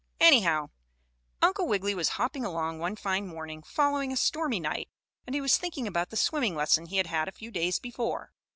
Anyhow, Uncle Wiggily was hopping along one fine morning, following a stormy night, and he was thinking about the swimming lesson he had had a few days before.